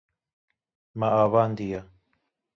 Min avandiye.